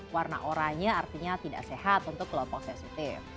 warna oranye artinya tidak sehat untuk kelompok sensitif